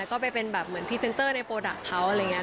ก็ไปเป็นแบบเหมือนพรีเซนเตอร์ในโปรดักต์เขาอะไรอย่างนี้